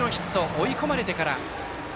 追い込まれてから。